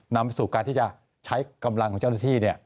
นำไปสู่การที่จะใช้กำลังของเจ้าหน้าที่